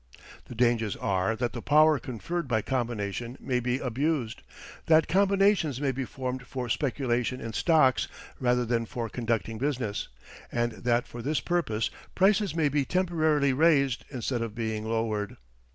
The dangers are that the power conferred by combination may be abused, that combinations may be formed for speculation in stocks rather than for conducting business, and that for this purpose prices may be temporarily raised instead of being lowered.